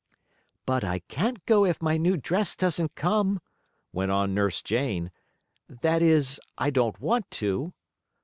"But I can't go if my new dress doesn't come," went on Nurse Jane. "That is, I don't want to."